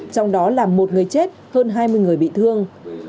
trong đó làm một người chết hơn hai mươi người bị thương